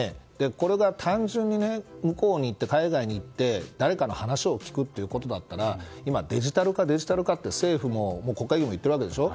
これが単純に海外に行って誰かの話を聞くということだったら今、デジタル化って政府も国会議員も言っているわけでしょ。